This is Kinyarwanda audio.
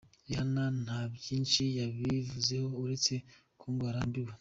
Rihanna nta byinshi yabivuzeho uretse ko ngo arambiwe.